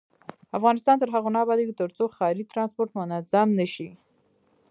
افغانستان تر هغو نه ابادیږي، ترڅو ښاري ترانسپورت منظم نشي.